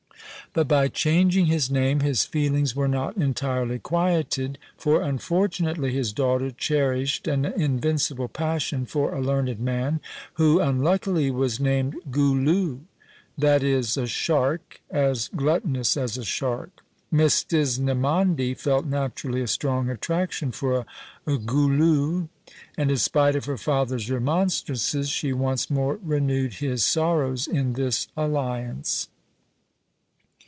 But by changing his name, his feelings were not entirely quieted, for unfortunately his daughter cherished an invincible passion for a learned man, who unluckily was named Goulu; that is, a shark, as gluttonous as a shark. Miss Disnemandi felt naturally a strong attraction for a goulu; and in spite of her father's remonstrances, she once more renewed his sorrows in this alliance!